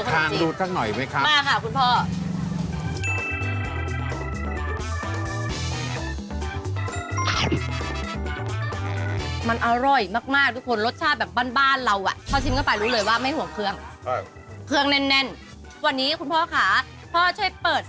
ทานขนมจีนน้ำยาหน่อยไหมครับ